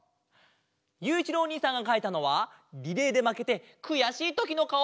ゆういちろうおにいさんがかいたのはリレーでまけてくやしいときのかお。